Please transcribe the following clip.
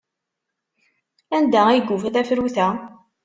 Anda ay yufa tafrut-a?